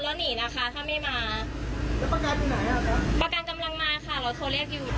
แล้วประการตรงไหนล่ะคะประการกำลังมาค่ะเราโทรเรียกอยู่